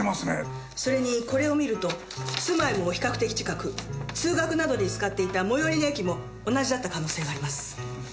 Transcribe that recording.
それにこれを見ると住まいも比較的近く通学などに使っていた最寄りの駅も同じだった可能性があります。